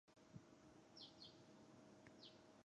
他们的生意很顺利